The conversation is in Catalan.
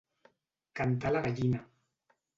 Cantar la gallina.